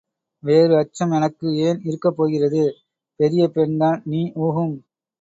வேறு அச்சம் எனக்கு ஏன் இருக்கப் போகிறது? பெரிய பெண்தான் நீ ஊஹம்.